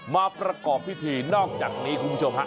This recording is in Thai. มาประกอบพิธีนอกจากนี้คุณผู้ชมฮะ